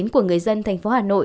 của người dân thành phố hà nội